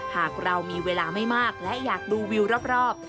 หากเรามีเวลาไม่มากและอยากดูวิวรอบ